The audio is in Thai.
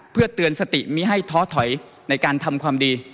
เพื่อเตือนสติไม่ให้ท้อถอยในการทำความดี